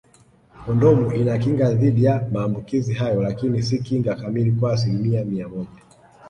Kondomu inakinga dhidi ya maambukizi hayo lakini si kinga kamili kwa asilimia mia moja